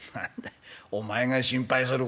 いお前が心配する